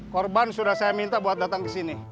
korban sudah saya minta buat datang ke sini